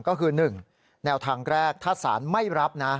ก็คือหนึ่งแนวทางแรกทัศนไม่รับนะ